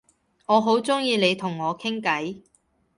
我好鍾意你同我傾偈